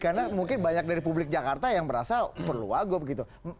karena mungkin banyak dari publik jakarta yang berasa perlu wagub gitu